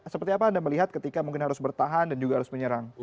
seperti apa anda melihat ketika mungkin harus bertahan dan juga harus menyerang